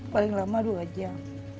paling lama dua jam